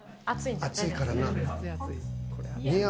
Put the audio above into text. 熱いからな。